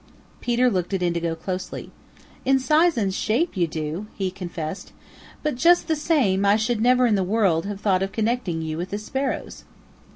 Peter looked at Indigo closely. "In size and shape you do," he confessed, "but just the same I should never in the world have thought of connecting you with the Sparrows."